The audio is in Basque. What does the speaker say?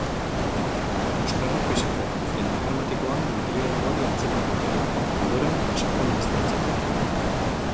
Euskarri fisiko zein informatikoan material ugari atzeman dute, ondoren sakon aztertzeko.